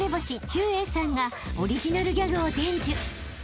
ちゅうえいさんがオリジナルギャグを伝授］